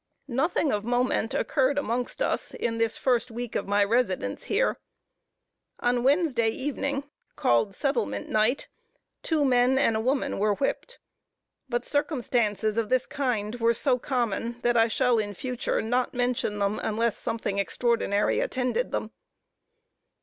Nothing of moment occurred amongst us, in this first week of my residence here. On Wednesday evening, called settlement night, two men and a woman were whipped; but circumstances of this kind were so common, that I shall, in future, not mention them, unless something extraordinary attended them.